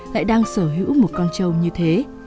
lại đang sở hữu một con trâu như thế